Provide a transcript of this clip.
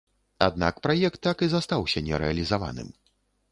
Аднак праект так і застаўся нерэалізаваным.